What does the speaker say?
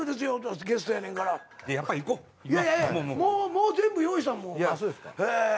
もう全部用意した。